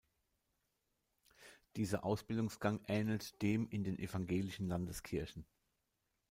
Dieser Ausbildungsgang ähnelt dem in den Evangelischen Landeskirchen.